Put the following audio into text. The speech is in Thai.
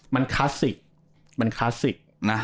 มันคลาสสิก